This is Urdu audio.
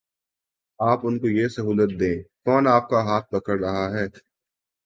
آپ ان کو یہ سہولت دیں، کون آپ کا ہاتھ پکڑ رہا ہے؟